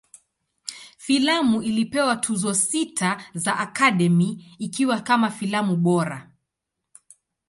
Filamu ilipewa Tuzo sita za Academy, ikiwa kama filamu bora.